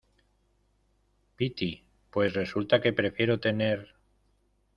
piti, pues resulta que prefiero tener